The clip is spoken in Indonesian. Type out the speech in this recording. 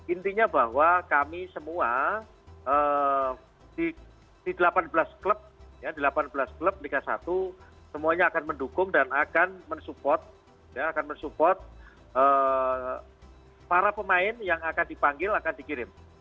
intinya bahwa kami semua di delapan belas klub delapan belas klub liga satu semuanya akan mendukung dan akan mensupport para pemain yang akan dipanggil akan dikirim